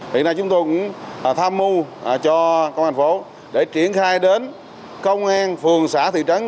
hiện nay chúng tôi cũng tham mưu cho công an thành phố để triển khai đến công an phường xã thị trấn